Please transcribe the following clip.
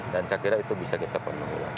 dan saya kira itu bisa kita penuhi